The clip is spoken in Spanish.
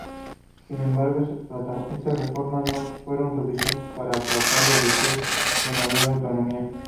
Sin embargo, estas reformas no fueron suficientes para aplacar los deseos de mayor autonomía.